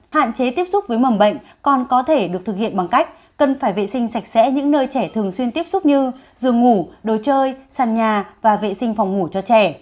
hạn chế tiếp xúc với mầm bệnh còn có thể được thực hiện bằng cách cần phải vệ sinh sạch sẽ những nơi trẻ thường xuyên tiếp xúc như giường ngủ đồ chơi sàn nhà và vệ sinh phòng ngủ cho trẻ